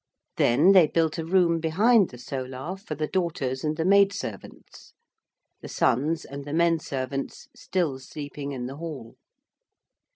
Then they built a room behind the solar for the daughters and the maidservants; the sons and the menservants still sleeping in the Hall.